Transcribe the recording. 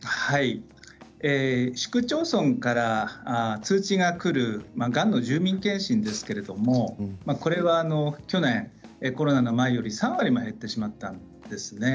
市区町村から通知がくるがんの住民検診ですけれどもこれは去年、コロナの前より３割も減ってしまったんですね。